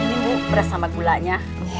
ini bu beras sama gulanya